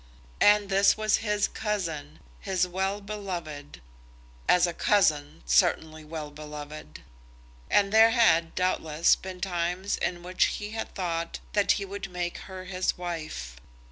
And this was his cousin, his well beloved, as a cousin, certainly well beloved; and there had, doubtless, been times in which he had thought that he would make her his wife!